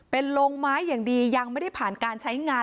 เป็นโรงไม้อย่างดียังไม่ได้ผ่านการใช้งาน